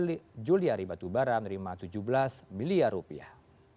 juliari batubara menerima tujuh belas miliar rupiah